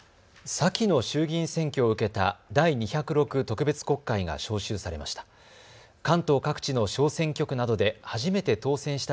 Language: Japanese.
先の衆議院選挙を受けた第２０６特別国会が召集されました。